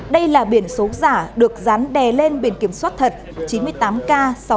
đây là biển số giả được dán đè lên biển kiểm soát thật chín mươi tám k sáu nghìn năm trăm chín mươi hai